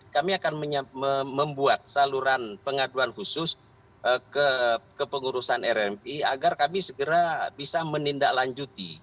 kami akan membuat saluran pengaduan khusus kepengurusan rmi agar kami segera bisa menindaklanjuti